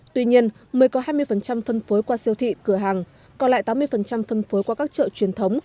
tuy nhiên mới có hai mươi phân phối qua siêu thị cửa hàng còn lại tám mươi phân phối qua các chợ truyền thống